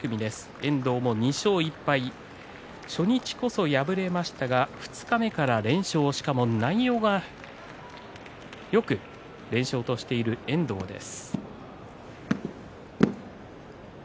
遠藤も２勝１敗初日こそ敗れましたが二日目から連勝、しかも内容がよく連勝としている遠藤です。